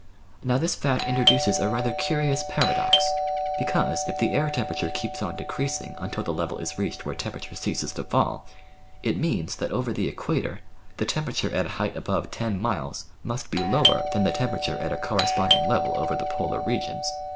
Now this fact introduces a rather curious paradox ; because, if the air tempera ture keeps on decreasing until the level is reached where tem perature ceases to fall, it means that over the Equator the temperature at a height above ten miles must be lower than the temperature at a corresponding level over the Polar regions.